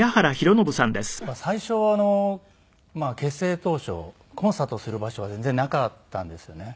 最初結成当初コンサートをする場所が全然なかったんですよね。